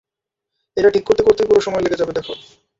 এটা ঠিক করতে করতেই পুরো সময় লেগে যাবে, দেখো!